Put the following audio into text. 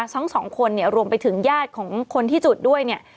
ทั้งสองคนเนี่ยรวมไปถึงญาติของคนที่จุดด้วยเนี่ย